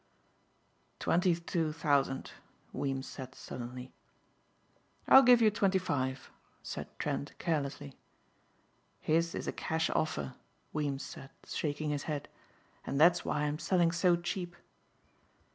"Twenty two thousand," Weems said sullenly. "I'll give you twenty five," said Trent carelessly. "His is a cash offer," Weems said shaking his head, "and that's why I'm selling so cheap."